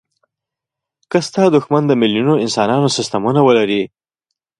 که ستا دوښمن د میلیونونو انسانانو سستمونه ولري.